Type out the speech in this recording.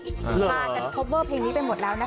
พากันคอปเวอร์เพลงนี้ไปหมดแล้วนะคะ